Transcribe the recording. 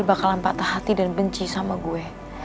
bakalan patah hati dan benci sama gue